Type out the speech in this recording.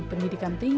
masih akan nino